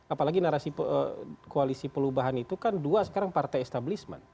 apalagi narasi koalisi perubahan itu kan dua sekarang partai establishment